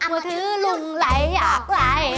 มือถือลุงไหลอยากไหล